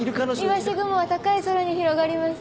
いわし雲は高い空に広がります。